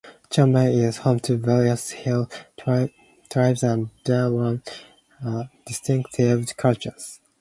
Chiang Mai is home to various hill tribes and their own distinctive cultures.